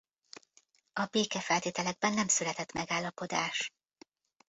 A békefeltételekben nem született megállapodás.